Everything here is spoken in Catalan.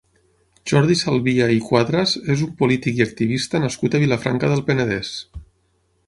Jordi Salvia i Cuadras és un polític i activista nascut a Vilafranca del Penedès.